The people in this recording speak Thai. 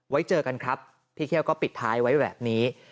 เจอกันครับพี่เคี่ยวก็ปิดท้ายไว้แบบนี้